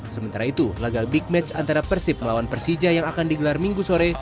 sementara itu laga big match antara persib melawan persija yang akan digelar minggu sore